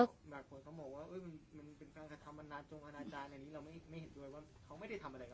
บางคนเค้าบอกว่ามันเป็นการกระทำมานานตรงอนาจารย์ในนี้เราไม่เห็นด้วยว่าเค้าไม่ได้ทำอะไรกับเขา